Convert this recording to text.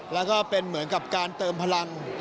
แล้วก็เป็นเหมือนกับการเติมพลัง